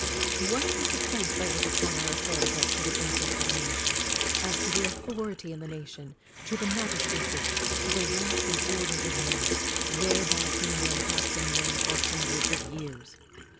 What was the face that was upon our affairs as to the interest of the nation ; as to the author ity in the nation ; to the magistracy ; to the ranks and orders of men, — whereby England hath been known for hundreds of years?